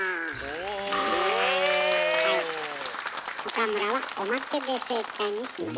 岡村はおまけで正解にしました。